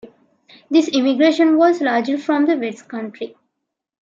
This immigration was largely from the West Country.